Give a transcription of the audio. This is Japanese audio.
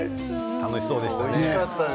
楽しそうでしたね。